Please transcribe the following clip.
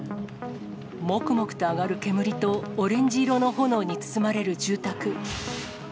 もくもくと上がる煙と、オレンジ色の炎に包まれる住宅。